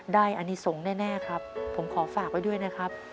อนิสงฆ์แน่ครับผมขอฝากไว้ด้วยนะครับ